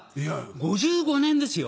５５年ですよ。